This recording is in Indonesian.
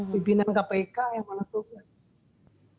pimpinan kpk yang menentukan